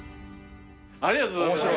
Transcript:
ありがとうございます。